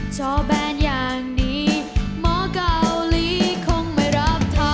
ช่อแบนอย่างนี้หมอกาโอลีคงไม่รับทำ